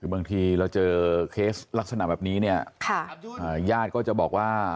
คือบางทีเราเจอเคสลักษณะแบบนี้เนี่ยญาติก็จะบอกว่า